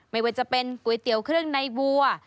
ไม่ว่าจะเป็นก๋วยเตี๋ยวเครื่องในวัว